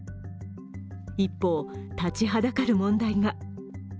一方、立ちはだかる問題が。